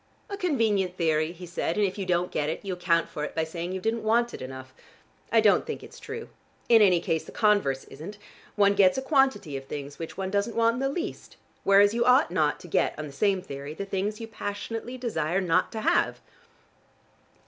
"A convenient theory," he said, "and if you don't get it, you account for it by saying you didn't want it enough. I don't think it's true. In any case the converse isn't; one gets a quantity of things which one doesn't want in the least. Whereas you ought not to get, on the same theory, the things you passionately desire not to have."